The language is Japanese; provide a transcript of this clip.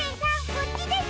こっちです。